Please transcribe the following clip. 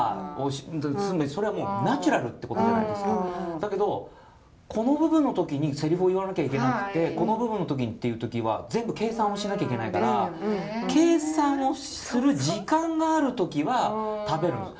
だけどこの部分の時にセリフを言わなきゃいけなくってこの部分の時にって時は全部計算をしなきゃいけないから計算をする時間がある時は食べるんです。